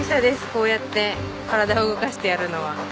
こうやって体を動かしてやるのは。